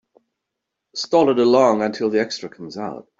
Stall it along until the extra comes out.